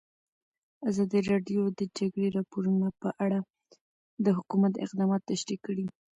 ازادي راډیو د د جګړې راپورونه په اړه د حکومت اقدامات تشریح کړي.